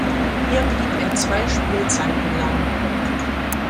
Hier blieb er zwei Spielzeiten lang.